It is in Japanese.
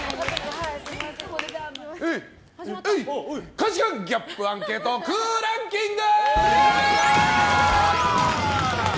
価値観ギャップアンケート空欄キング！